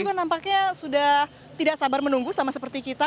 tapi juga nampaknya sudah tidak sabar menunggu sama seperti kita